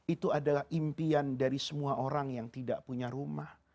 itu adalah impian dari semua orang yang tidak punya rumah